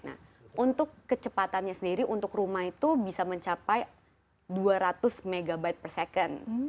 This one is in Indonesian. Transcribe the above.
nah untuk kecepatannya sendiri untuk rumah itu bisa mencapai dua ratus mb per second